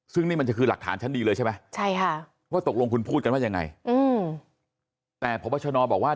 ซึ่งนี่มันจะคือหลักฐานชั้นดีเลยใช่ไหมว่าตกลงคุณพูดกันว่ายังไงแต่พบชนบอกว่า